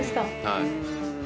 はい。